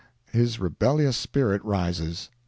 His rebellious spirit rises.